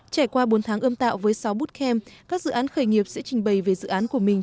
trải qua bốn tháng ươm tạo với sáu bootcamp các dự án khởi nghiệp sẽ trình bày về dự án của mình